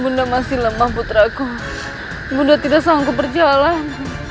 bunda masih lemah putraku muda tidak sanggup berjalan